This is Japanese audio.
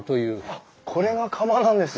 あっこれが釜なんですね。